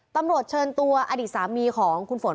ตำรวจเชิญตัวอดีตสามีของคุณฝน